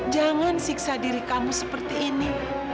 jangan siksa diri kamu seperti ini